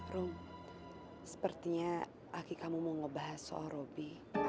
rum sepertinya aki kamu mau ngebahas soal robi